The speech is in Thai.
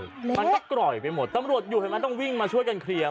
มันก็กร่อยไปหมดตำรวจอยู่เห็นไหมต้องวิ่งมาช่วยกันเคลียร์